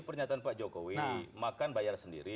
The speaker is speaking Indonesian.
pernyataan pak jokowi makan bayar sendiri